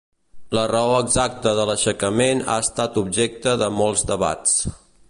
La raó exacta de l'aixecament ha estat objecte de molts debats.